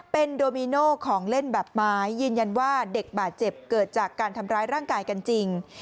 เป็นโดมิโน่ของเล่นแบบไม้ยืนยันว่าเด็กบาดเจ็บเกิดจากการทำร้ายร่างกายกันจริง